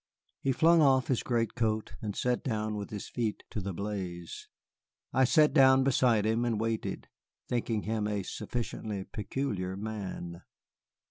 He flung off his greatcoat and sat down with his feet to the blaze. I sat down beside him and waited, thinking him a sufficiently peculiar man.